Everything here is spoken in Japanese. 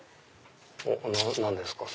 何ですか？